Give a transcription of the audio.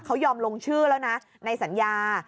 เขายอมลงชื่อแล้วนะในสัญญา